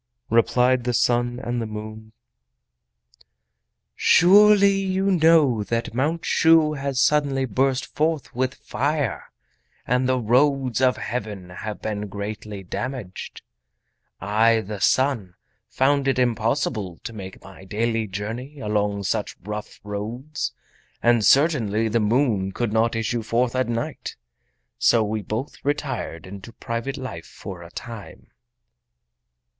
Replied the Sun and the Moon: "Surely you know that Mount Shu has suddenly burst forth with fire, and the roads of Heaven have been greatly damaged! I, the Sun, found it impossible to make my daily journey along such rough roads—and certainly the Moon could not issue forth at night! so we both retired into private life for a time."